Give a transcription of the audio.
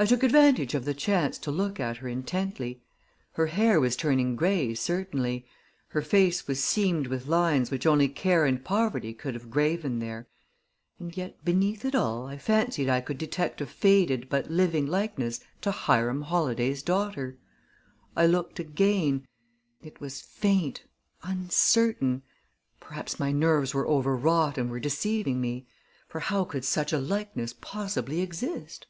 I took advantage of the chance to look at her intently. Her hair was turning gray, certainly; her face was seamed with lines which only care and poverty could have graven there; and yet, beneath it all, I fancied I could detect a faded but living likeness to Hiram Holladay's daughter. I looked again it was faint, uncertain perhaps my nerves were overwrought and were deceiving me. For how could such a likeness possibly exist?